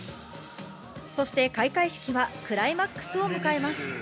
そして、開会式はクライマックスを迎えます。